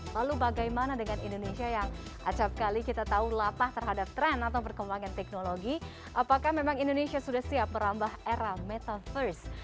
lalu bagaimana dengan indonesia yang acapkali kita tahu lapah terhadap tren atau perkembangan teknologi apakah memang indonesia sudah siap merambah era metaverse